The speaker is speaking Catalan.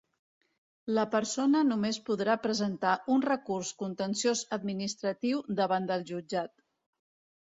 La persona només podrà presentar un recurs contenciós administratiu davant del Jutjat.